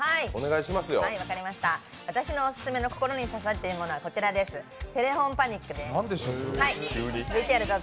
私のオススメの心に刺さっているものは「テレホンパニック」です。